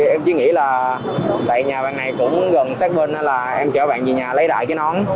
em chỉ nghĩ là tại nhà bạn này cũng gần sát bên là em chở bạn về nhà lấy lại cái nón